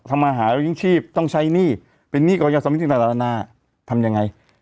ทำอาหารแล้วจึงชีพต้องใช้หนี้เป็นนี่ก็จะสำหรับหน้าทำยังไง